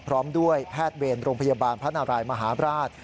พร้อมด้วยแพทย์เวรโรงพยาบาลพระนารายมหาบราช